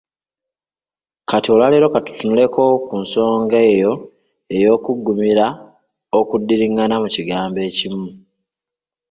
Kati olwaleero ate ka tutunuleko ku nsonga eyo ey’okuggumira okuddiringana mu kigambo ekimu.